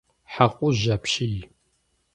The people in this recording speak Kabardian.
Хьэкъужь апщий.